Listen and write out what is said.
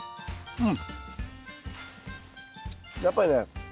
うん！